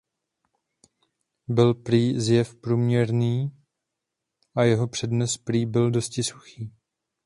Byl prý zjev průměrný a jeho přednes prý byl dosti suchý.